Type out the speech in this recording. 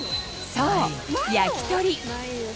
そう焼き鳥。